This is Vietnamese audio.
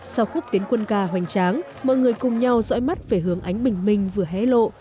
sau khúc tiến quân ca hoành tráng mọi người cùng nhau dõi mắt về hướng ánh bình minh vừa hé lộ